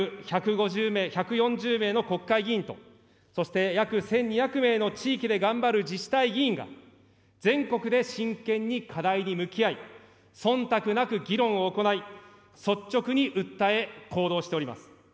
約１４０名の国会議員と、そして約１２００名の地域で頑張る自治体議員が、全国で真剣に課題に向き合い、そんたくなく議論を行い、率直に訴え、行動しております。